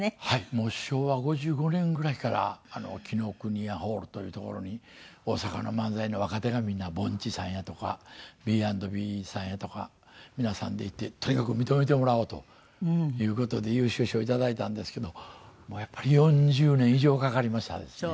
もう昭和５５年ぐらいから紀伊國屋ホールという所に大阪の漫才の若手がみんなぼんちさんやとかＢ＆Ｂさんやとか皆さんで行ってとにかく認めてもらおうという事で優秀賞をいただいたんですけどもうやっぱり４０年以上かかりましたですね。